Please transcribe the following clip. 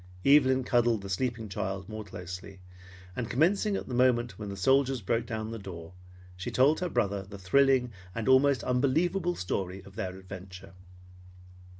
Evelyn cuddled the sleeping child more closely, and commencing at the moment when the soldiers broke down the door, she told her brother the thrilling and almost unbelievable story of their adventure.